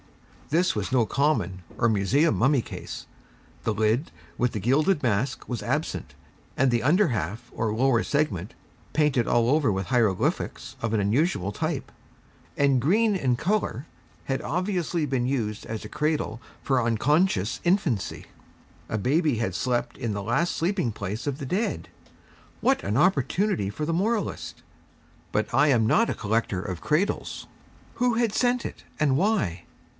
This was no common, or museum mummy case. The lid, with the gilded mask, was absent, and the under half or lower segment, painted all over with hieroglyphics of an unusual type, and green in colour had obviously been used as a cradle for unconscious infancy. A baby had slept in the last sleeping place of the dead! What an opportunity for the moralist! But I am not a collector of cradles. Who had sent it, and why?